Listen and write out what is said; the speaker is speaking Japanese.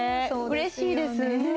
うれしいです。